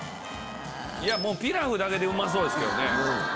もうピラフだけでうまそうですけどね。